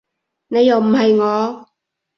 你又唔係我